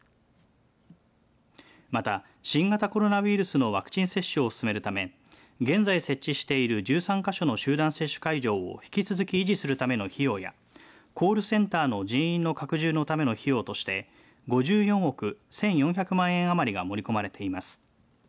また新型コロナウイルスのワクチン接種を進めるため現在設置している１３か所の集団接種会場を引き続き維持するための費用やコールセンターの人員の拡充のための費用として５４億１４００万円余りが盛り込まれています。